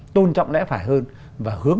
tôn trọng lẽ phải hơn và hướng